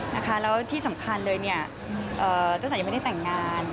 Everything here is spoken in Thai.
แล้วที่สำคัญเลยเจอกับตัวก็ยังไม่ได้แต่งงาน